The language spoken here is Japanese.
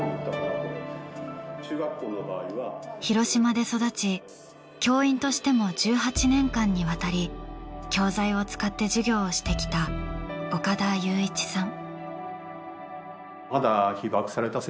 広島で育ち教員としても１８年間にわたり教材を使って授業をしてきた岡田祐一さん。